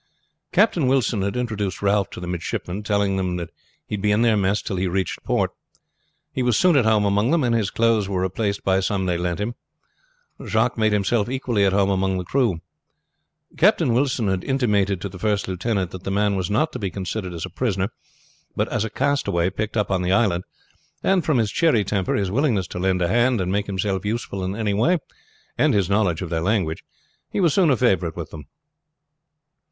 Captain Wilson had introduced Ralph to the midshipmen, telling them he would be in their mess till he reached port. He was soon at home among them, and his clothes were replaced by some they lent him. Jacques made himself equally at home among the crew. Captain Wilson had intimated to the first lieutenant that the man was not to be considered as a prisoner, but as a castaway, picked up on the island; and from his cheery temper, his willingness to lend a hand and make himself useful in any way, and his knowledge of their language, he was soon a favorite with them.